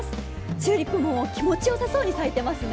チューリップも気持ちよさそうに咲いていますね。